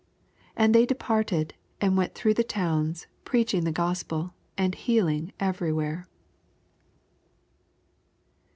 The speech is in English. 6 Ana they departed, and wetii throuffh the towns, preaching the Gospel, and healing every where.